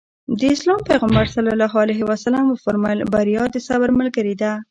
د اسلام پيغمبر ص وفرمايل بريا د صبر ملګرې ده.